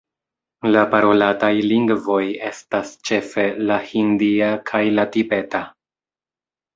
La parolataj lingvoj estas ĉefe la hindia kaj la tibeta.